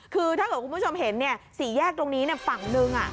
คือถ้าเกิดคุณผู้ชมเห็นสี่แยกตรงนี้ฝั่งหนึ่ง